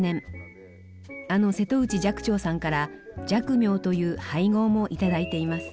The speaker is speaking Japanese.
あの瀬戸内寂聴さんから寂明という俳号も頂いています。